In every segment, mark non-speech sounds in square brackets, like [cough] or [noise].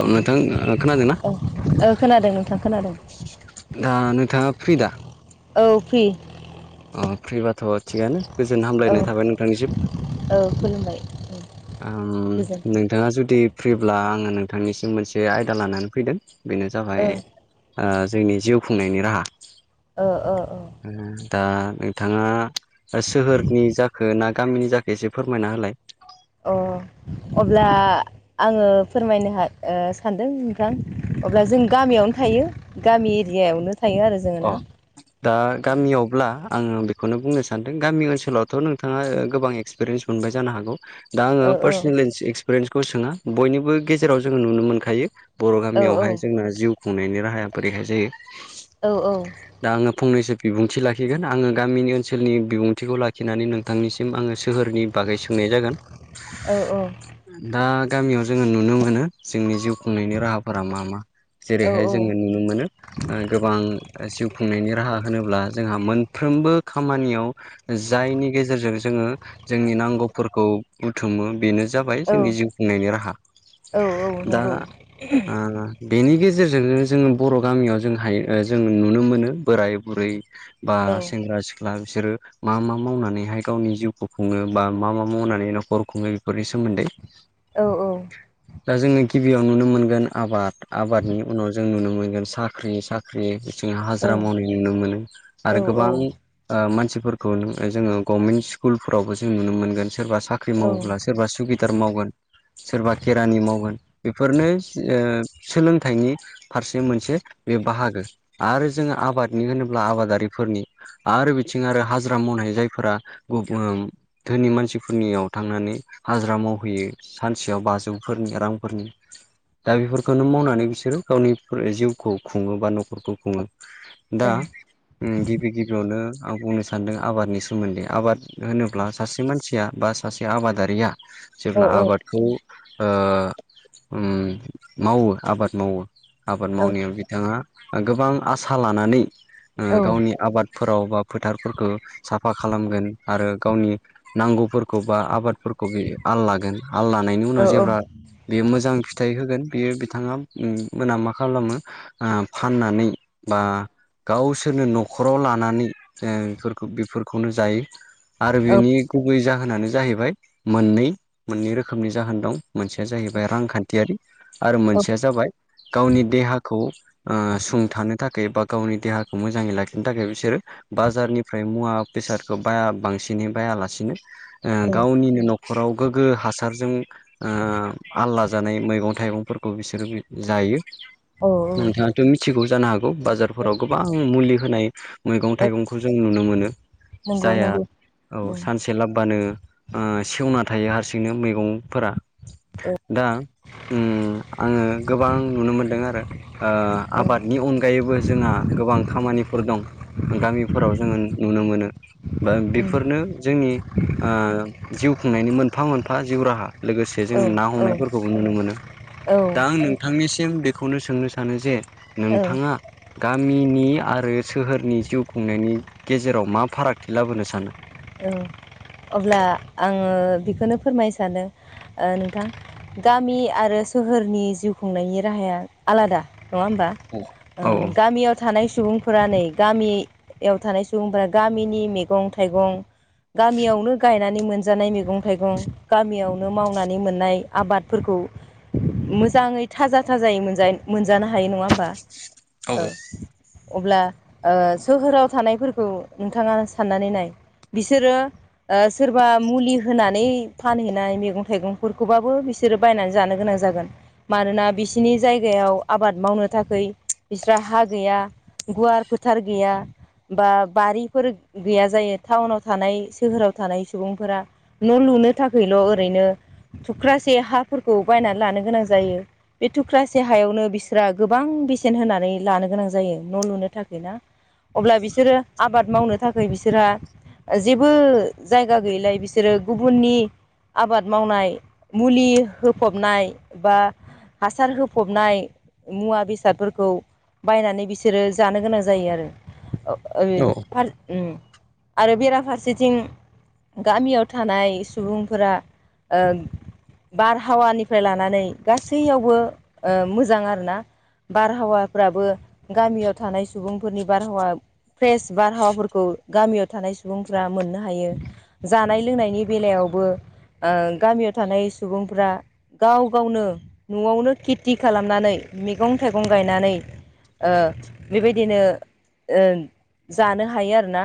औ नोंथां खोनादोंना? औ औ खोनादों नोंथां खोनादों दा नोंथाङा फ्रि दा? औ फ्रि अ फ्रिबाथ' थिगानो गोजोन औ हामलायनाय थाबाय नोंथांनिसिम। औ खुलुमबाय गोजोनथों नोंथाङा जुदि फ्रिब्ला आङो नोंथांनिसिम मोनसे आयदा लानानै फैदों बेनो औ जाबाय जोंनि जिउ खुंनायनि राहा। ओ ओ ओ दा नोंथाङा सोहोरनि जाखो ना गामिनि जाखो एसे फोरमायना होलाय। अ अब्ला आङो फोरमायनो हाय ओ सानदों नोंथां अब्ला जों गामियावनो थायो। गामि एरियायावनो थायो आरो जों। अ दा गामियावब्ला आङो बेखौनो बुंनो सानदों गामि ओनसोलावथ' नोंथाङा गोबां एक्स एक्सपिरियेन्स मोनबाय जानो हागौ। दा आङो औ औ पार्सनेल एक्सपिरियेन्सखौ सोङा बयनिबो गेजेराव जोङो नुनो मोनखायो। बर' औ गामियावहाय जोंना जिउ खुंनायनि राहाया बोरैहाय जायो। औ औ दा आङो फंनैसो बिबुंथि लाखिगोन आङो गामिनि ओनसोलनि बिबुंथिखौ लाखिनानै नों नोंथांनिसिम आङो सोहोरनि बागै सोंनाय जागोन। औ औ दा गामियाव जोङो नुनो मोनो जोंनि जिउ खुंनायनि राहाफोरा मा मा। औ जेरैहाय जोङो नुनो मोनो गोबां जिउ खुंनायनि राहा होनोब्ला जोंहा मोनफ्रोमबो खामानियाव जायनि गेजेरजों जोङो जोंनि नांगौफोरखौ बुथुमो बेनो जाबाय औ जोंनि जिउ खुंनायनि राहा औ औ दा नंगौ बेनि गेजेरजोंनो जों बर' गामियाव जों हायो जों नुनो मोनो बोराय बुरै बा औ सेंग्रा सि क्ला बिसोरो मा मा मावनानैहाय गावनि जिउखौ खुङो बा मा मा मावनानै न'खर खुङो बेफोरनि सोमोन्दै औ औ दा जोङो गिबियाव नुनो मोनगोन आबाद, आबादनि उनाव जों नुनो मोनगोन साख्रि, सा ख्रि, खिसुमान औ हाजिरा मावनाय नुनो मोनो औ आरो गोबां ओ मानसिफोरखौ जोङो गभमेन्ट स्कुलफोरावबो जों नुनो मोनगोन सोरबा साख्रि मावोब्लासो सोरबा सुखिदार मावगोन। सोरबा केेरानि मावगोन बेफोरनो ओ सोलोंथाइनि फारसे मोनसे बे बाहागो आरो जोङो आबादनि होनोब्ला आबादारिफोरनि आरो बिथिं आरो हाजिरा मावनायनाय जायफोरा [unintelligible] धोनि मानसिफोरनियाव थांनानै हाजिरा मावहैयो। सानसेयाव बाजौफोरनि रांफोरनि दा बेफोरखौनो मावनानै बिसोरो गावनि जिउखौ खुङो बा न'खर फोरखौ खुङो दा औ ओ गिबि गिबियावनो आं बुंनो सानदों आबादनि सोमोन्दै। आबाद होनोब्ला सासे मानसिया बा सासे आबादारिया जेब्ला आबादखौ ओ ओम मावो आबाद मावो। आबाद मावनायाव बिथाङा गोबां आसा लानानै ओ गावनि आबाद -फोराव बा फोथारफोरखौ साफा खालामगोन आरो गावनि नांगौफोरखौ बा आबादफोरखौ आल लागोन आल लानायनि उनाव जेब्ला बेयो मोजां फिथाइ होगोन बियो बिथाङा ओम मोना मा खालामो फाननानै बा गावसोरनो न'खराव लानानै बेफोरखौ बेफोरखौनो जायो आरो बिनि गुबै जाहोनानो जाहैबाय मोननै मोननै रोखोमनि जाहोन दं। मोनसेया जाहैबाय रांखान्थियारि आरो मोनसेया जाबाय गावनि देहाखौ ओ सुंथानो थाखाय बा गावनि देहाखौ मोजाङै लाखिनो थाखाय बिसोरो बाजारनिफ्राय मुवा बेसादखौ बाया बांसिनै बायालासिनो ओ औ गावनिनो नखर नखराव गोग्गो हासारजों आल्ला जानाय मैगं -थाइगंफोरखौ बिसोरो जायो। औ औ नोंथाङाथ' मिथिगौ जानो हागौ बाजारफोराव गोबां मुलि होनाय मैगं औ -थाइगंखौ जों नुनो मोनो। नंगौ जायहा नंगौ औ उम सानसे लाबोबानो ओ सेवना थायो हारसिंनो मैगंफोरा। औ दा ओम आङो गोबां नुनो मोनदों आरो आबाद [unintelligible] अनगायैबो जोंहा गोबां खामानिफोर दं गामिफोराव जोङो नुनो मोनो। बा उम बेफोरनो जोंनि ओ जिउ खुंनायनि मोनफा मोनफा जिउ राहा। लोगोसे जों औ ना औ हमनायफोरखौबो नुनो मोनो औ दा आं नों नोंथांनिसिम बेखौनो सोंनो सानो जे नोंथाङा औ गामिनि आरो सोहोरनि जिउ खुंनायनि गेजेराव मा फारागथि लाबोनो सानो। औ अब्ला आङो बेखौनो फोरमायनो सानदों नोंथां। गामि आरो सोहोरनि जिउ खुंनायनि राहाया आलादा नङा होमबा? औ औ ओं गामियाव थानाय सुबुंफोरा नै गामियाव थानाय सुबुंफोरा गामिनि मैगं- थाइगं गामियावनो गायनाय गायनानै मोनजानाय मैगं -थाइगं गामियावनो मावनानै मोननाय आबादफोरखौ मोजाङै थाजा- थाजायै मोनजा -मोनजानो हायो नङा होमबा? औ। अब्ला सोहोराव ओ थानायफोरखौ नोंथाङा साननानै नाय बिसोरो ओ सोरबा मुलि होनानै फानहैनाय मैगं- थाइगंफोरखौबाबो बिसोर बिसोरो बायनानै जानो गोनां जागोन। मानोना बिसिनि जायगायाव आबाद मावनो थाखै बिस्रा हा गैया। गुवार फोथार गैया बा बारिफोर गैया जायो टाउनाव थानाय सोहोराव थानाय सुबुंफोरा न' लुनो थाखायल' ओरैनो थुख्रासे हाफोरखौ बायनानै लानो गोनां जायो। बे थुख्रासे हायावनो बिसोरहा गोबां बेसेन होनानै लानो गोनां जायो न' लुनो थाखाय ना। अब्ला बिसोरो आबाद मावनो थाखाय बिसोरहा जेबो जायगा गैयैलाय बिसोरो गुबुननि आबाद मावनाय मुलि होफबनाय बा हासार होफबनाय मुवा बेसादफोरखौ बायनानै बिसोरो जानो गोनां जायो औ आरो आरो बेराफारसेथिं गामियाव थानाय सुबुंफोरा ओ बारहावानिफ्राय लानानै गासैयावबो मोजां आरोना बारहावाफ्राबो गामियाव थानाय सुबुंफोरनि बारहावा फ्रेश बारहावाफोरखौ गामियाव थानाय सुबुंफ्रा मोननो हायो जानाय लोंनायनि बेलायावबो गामियाव थानाय सुबुंफ्रा गाव गावनो न'आवनो खेथि खालामनानै मैगं थाइगं गायनानै ओ बेबायदिनो जानो हायो आरोना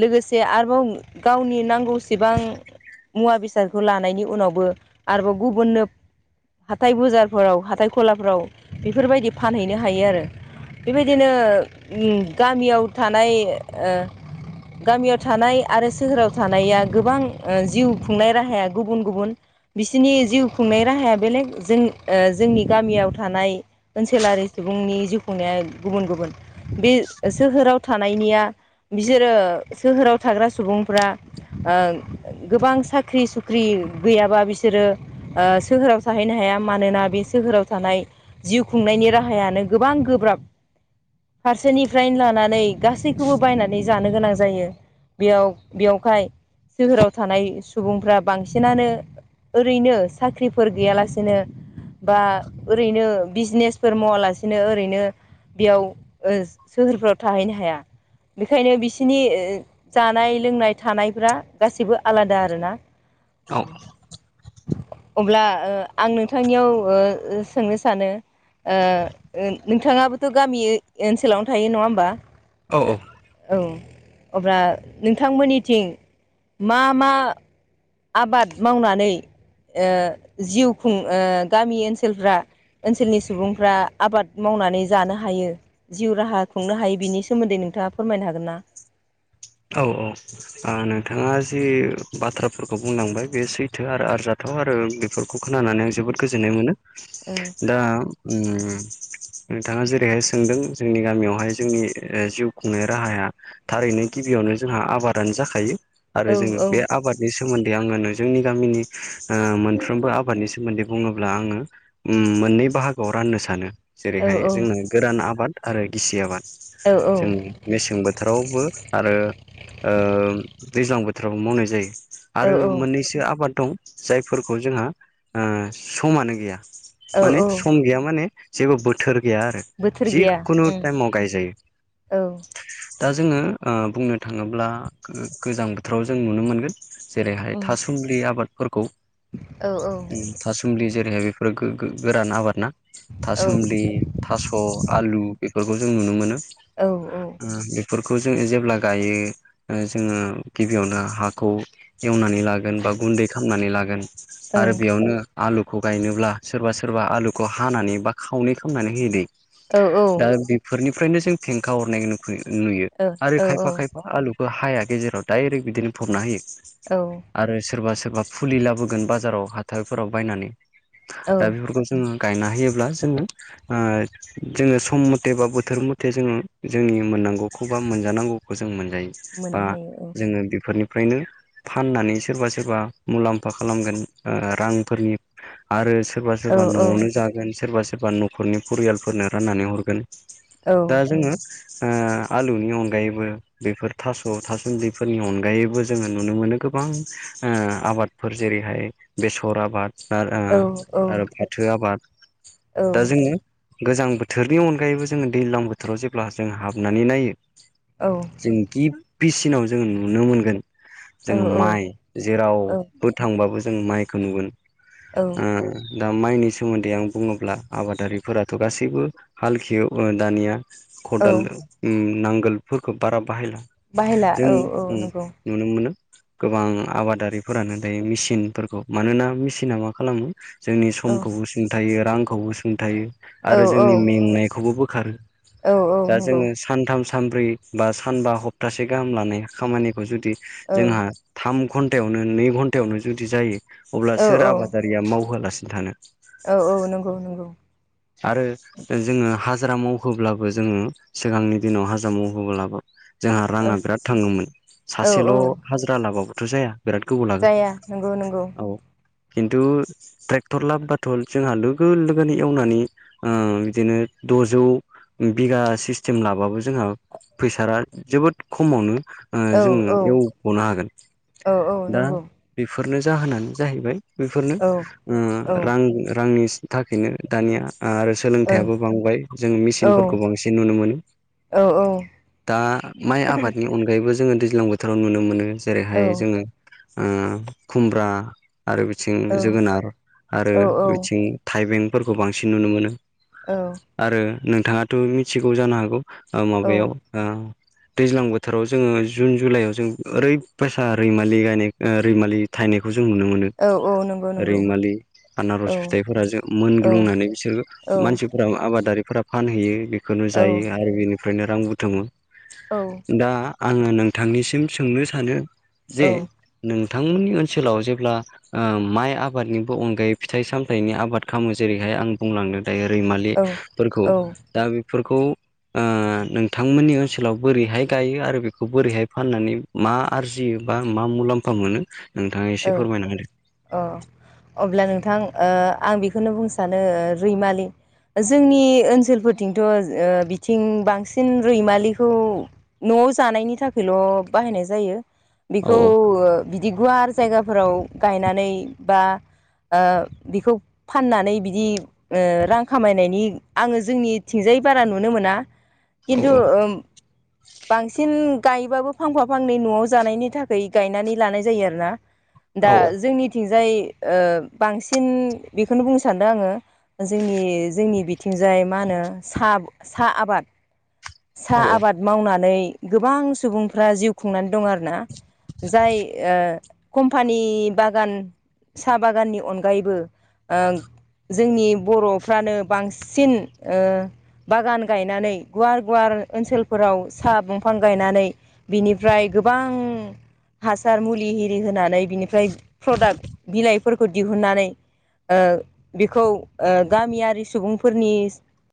लोगोसे आरोबाव गावनि नांगौसेबां मुवा बेसादखौ लानायनि उनावबो आरोबाव गुबुननो हाथाय बजारफोराव हाथाय गलाफोराव बेफोरबायदि फानहैनो हायो आरो बेबायदिनो गामियाव थानाय गामियाव थानाय आरो सोहोराव थानाया गोबां जिउ खुंनाय राहाया गुबुन गुबुन बिसोरनि जिउ खुंनाय राहाया बेलेग जों जोंनि गामियाव थानाय ओनसोलारि सुबुंनि जिउ खुंनाया गुबुन गुबुन बे सोहोराव थानायनिया बिसोरो सोहोराव थाग्रा सुबुंफ्रा ओ गोबां साख्रि सुख्रि गैयाबा बिसोरो सोहोराव थाहैनो हाया मानोना बे सोहोराव थानाय जिउ खुंनायनि राहायानो गोबां गोब्राब फारसेनिफ्रायनो लानानै गासैखौबो बायनानै जानो गोनां जायो बेयाव बेयावहाय सोहोराव थानाय सुबुंफ्रा बांसिनानो ओरैनो साख्रिफोर गैयालासेनो बा ओरैनो बिजनेसफोर मावालासिनो ओरैनो बेयाव सोहोरफ्राव थाहैनो हाया बेनिखायनो बिसि बिनि जानाय लोंनाय थानायफ्रा गाससिबो आलादा आरो ना औ उम अब्ला ओ आं नोंथांनियाव ओ सोंनो सानो नोंथाङाबोथ' गामि ओनसोलावनो थायो नङा होमबा औ औ अब्ला नोंथांमोननिथिं मा मा आबाद मावनानै जिउ खुं ओ गामि ओनसोलफ्रा ओनसोलनि सुबुंफ्रा आबाद मावनानै जानो हायो जिउ राहा खुंनो हायो बिनि सोमोन्दै नोंथाङा फोरमायनो हागोन ना औ औ नोंथाङा जि बाथ्राफोरखौ बुंलांबाय बे सैथो आरो आरजाथाव आरो बे खौ खोनानानै आं जोबोद गोजोननाय मोनो ओ दा उम नोंथाङा जेरैहाय सोंदों जोंनि गामियावहाय जोंनि जिउ खुंनाय राहाया थारैनो गिबियावनो जोंहा आबादानो जाखायो आरो औ जोङो औ बे आबाद बेनि सोमोन्दै आङो जोंनि गामिनि मोनफ्रोमबो आबादनि सोमोन्दै बुङोब्ला आङो मोननै बाहागोआव राननो सानो औ जेरैहाय जोंनो गोरान आबाद आरो गिसि आबाद औ जों मेसें बोथोरावबो आरो ओ दैज्लां बोथोरावबो मावनाय जायो औ आरो मोननैसो आबाद दं जायफोरखौ जोंहा समानो गैया औ माने औ सम गैया माने जेबो बोथोर गैया आरो बोथोर गैया जिखुनु उम टाइमाव गायजायो औ दा जोङो ओ बुंनो थाङोब्ला गोजां बोथोराव जों नुनो मोनगोन जेरैहाय उम थासुमलि आबादफोरखौ औ औ थासुमलि जेरैहाय बेफोरो गोरान आबाद ना औ थासुमलि थास' आलु बेफोरखौ जों नुनो मोनो। औ बेफोरखौ जो जेब्ला गायो जोङो गिबियावनो हाखौ एवनानै लागोन बा गुन्दै खालामामनानै लागोन आरो बेयावनो आलुखौ गायनोब्ला सोरबा सोरबा आलुखौ हानानै बा खावनै खालामामनानै होयो दैे दा बेफोरनिफ्रायनो जों फेंखा हरनाय नुयो औ आरो औ खायफा खायफा आलुखौ हाया गेजेराव दडायरेक्ट बिदिनो फबना होयो औ आरो सोरबा सोरबा फुलि लाबोगोन बाजाराव हाथायफोराव बायनानै औ दा बेफोरखौ जोङो गायना होयोब्ला जोंनो जोङो सम मथे बा बोथोर मथे जोङो जोंनि मोननांगौखौ खौबा मोनजानांगौखौ जों मोनजायो बा मोननो हायो औ जोङो बेफोरनि नो फाननानै सोरबा सोरबा मुलाम्फा खालामगोन रांफोरनि आरो सोरबा औ सोरबा औ न'आवनो जागोन सोरबा सोरबा न'खरनि फरियालफोरनो राननानै हरगोन औ दा जोङो आलुनि अनगायैबो बेफोर थास' थास'न्दैफोरनि अनगायैबो जोङो नुनो मोनो गोबां आबाद फोर जेरैहाय बेसर आबाद आरो औ औ आरो फाथो आबाद दा जोङो। गोजां बोथोरनि अनगायैबो जोङो दैज्लां बोथोराव जेब्ला जों हाबनानै नायो। औ जों गिबिसिनाव जों नुनो मोनगोन औ जोंङो माइ जेरावबो थांबाबो जों माइखौ नुगोन। औ दा माइनि सोमोन्दै आं बुङोब्ला आबादारिफोराथ' गासैबो हालखो एवो दानिया औ खदाल उम नांगोलफोरखौ बारा बाहायला बाहायला नों औ औ नंगौ नुनो मोनो गोबां आबादारिफोरानो दायो मेसिनफोरखौ मानोना मेसिना मा खालामो जोंनि औ समखौबो सुंथायो रांखौबो सुंथायो औ आरो औ जोंनि मेंनायखौबो बोखारो औ औ दा नंगौ जोङो सानथामान सानब्रै बा सानबा हप्तासे गाहाम लानाय खामानिखौ जुदि औ जोंहा थाम घन्टायावनो नै घन्टायावनो जुदि जायो। अब्ला औ सोर आबादारिया मावहोलासिनो थानो। औ औ नंगौ नंगौ। आरो जोङो हाजिरा मावहोब्लाबो जोङो सिगांनि दिनाव हाजिरा मावहोब्लाबो जोंहा औ राङा बिराद थाङोमोन औ सासेल' औ हाजिरा लाबाबोथ' जाया बिराद गोबाव लागोन जाया नंगौ नंगौ औ खिन्थु ट्रेक्टर लाब बाथ' जोंहा लोगो लोगोनो एवनानै ओ बिदिनो द'जौ बिगा सिस्टेम लाबाबो जोंहा फैसा जोबोद खमावनो औ जोङो औ एवब'नो हागोन। औ औ दा नंगौ बेफोरनो जाहोनानो जाहैबाय बेफोरनो औ औ ओ रां रांनि थाखायनो दानिया आरो सोलोंथायाइयाबो बांबाय जों औ मेसिनफोरखौ बांसिन नुनो मोनो। औ औ दा माइ आबादनि अनगायैबो जोङो दैज्लां बोथोराव नुनो मोनो औ जेरैहाय जोङो खुमब्रा आरो बिथिं जोगोनार आरो औ बिथिं थाइबेंफोरखौ बांसिन नुनो मोनो आरो नोंथाङाथ' मिथिगौ जानो हागौ माबायाव ओ दैज्लां बोथोराव जोङो जुन जुलाइआव जों ओरैबायासा रैमालि गायनाय रैमालि थायनायखौ जों नुनो मोनो। औ औ नंगौ नंगौ रैमालि औ आनारस फिथाइफोरा जों औ मोनग्लुंनानै बिसो औ मानसिफोरा आबादारिफोरा फानहैयो बेखौनो औ जायो आरो बिनो निफायनो रां बुथुमो औ दा आङो नोंथांनिसिम सोंनो सानो जेह नोंथांमोनि ओनसोलाव जेब्ला ओ माइ आबादनिबो अनगायै फिथाइ सामथाइनि आबाद खामो जेरैहाय आं बुंलांनो दायो रैमालिफोरखौ औ दा बेफोरखौ ओ नोंथांमोनि ओनसोलाव बोरैहाय गायो आरो बेखौ बोरैहाय फाननानै मा आरजियो बा मा मुलाम्फा मोनो नोंथांआ एसे फोरमायना होदों ओ अब्ला नोंथां ओ आं बेखौनो बुंनो सानो रैमालि जोंनि ओनसोलफोरथिंथ'ओ बिथिं बांसिन रैमालिखौ न'आव जानायनि थाखायल' बाहायनाय जायो औ बेखौ ओ बिदि गुवार जायगाफोराव गायनानै बा ओ बिखौ फाननानै बिदि ओ रां खामायनायनि आङो जोंनिथिंजाय बारा नुनो मोना औ खिन्थु ओम बांसिन गायबाबो फांफा फांनै न'आव जानायनि थाखाय गायनानै लानाय जायो आरो ना दा औ जोंनिथिंजाय ओ बांसिन बेखौनो बुंनो सानदों आङो जोंनि जोंनि बिथिंजाय मा होनो साब साहा आबाद औ साहा आबाद मावनानै गोबां सुबुंफ्रा जिउ खुंनानै दं आरोना जाय ओ कम्पानि बागान साहा बागाननि अनगायैबो ओम जोंनि बर'फ्रानो बांसिन ओ बागान गायनानै गुवार गुवार ओनसोलफो फोराव साहा बंफां गायनानै बिनिफ्राय गोबां हासार मुलि हिरि होनानै बिनिफ्राय प्रडाक्ट बिलाइफोरखौ दिहुननानै ओ बेखौ ओ गामिआरि सुबुंफोरनि